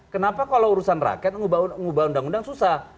kenapa kalau urusan rakyat mengubah undang undang susah